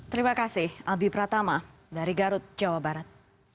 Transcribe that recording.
terima kasih albi pratama dari garut jawa barat